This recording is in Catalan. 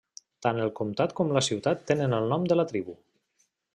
Tant el comtat com la ciutat tenen el nom de la tribu.